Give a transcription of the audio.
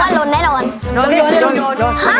เธอทำแล้ว